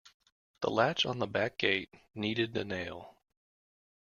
The latch on the back gate needed a nail.